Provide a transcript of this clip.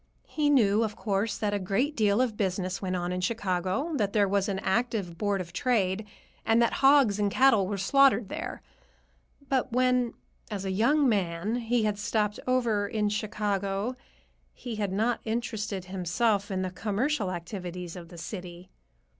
He knew, of course, that a great deal of business went on in Chicago, that there was an active Board of Trade, and that hogs and cattle were slaughtered there. But when, as a young man, he had stopped over in Chicago, he had not interested himself in the commercial activities of the city.